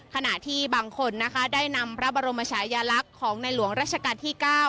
ขณะที่บางคนนะคะได้นำพระบรมชายลักษณ์ของในหลวงราชการที่๙